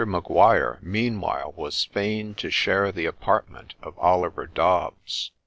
Maguire meanwhile was fain to share the apartment of Oliver Dobbs.